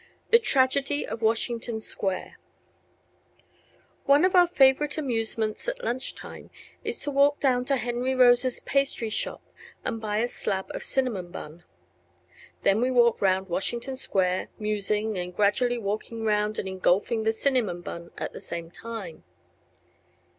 THE TRAGEDY OF WASHINGTON SQUARE One of our favorite amusements at lunch time is to walk down to Henry Rosa's pastry shop, and buy a slab of cinnamon bun. Then we walk round Washington Square, musing, and gradually walking round and engulfing the cinnamon bun at the same time.